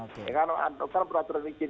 dengan mengantukkan peraturan izin